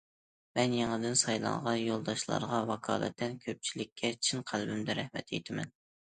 مەن يېڭىدىن سايلانغان يولداشلارغا ۋاكالىتەن كۆپچىلىككە چىن قەلبىمدىن رەھمەت ئېيتىمەن!